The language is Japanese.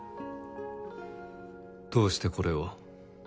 どうしてこれを？